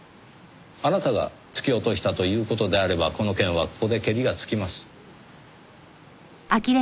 あなたが突き落としたという事であればこの件はここでケリがつきます。